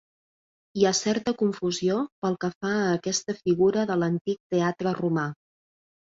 Hi ha certa confusió pel que fa a aquesta figura de l'antic teatre romà.